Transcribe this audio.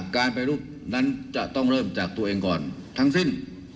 การไปรูปนั้นจะต้องเริ่มจากตัวเองก่อนทั้งสิ้น